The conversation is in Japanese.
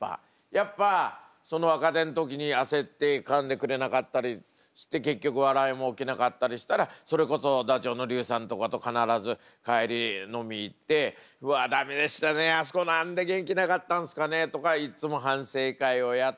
やっぱその若手の時に焦ってかんでくれなかったりして結局笑いも起きなかったりしたらそれこそダチョウの竜兵さんとかと必ず帰り飲み行って「うわ駄目でしたねあそこ何で元気なかったんすかね」とかいっつも反省会をやって。